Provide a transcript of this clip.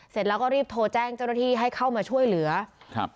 เสร็จแล้วก็รีบโทรแจ้งเจ้าหน้าที่ให้เข้ามาช่วยเหลือครับ